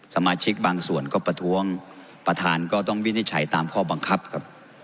สมาชิกบางส่วนก็ประท้วงประธานก็ต้องวินิจฉัยตามข้อบังคับครับ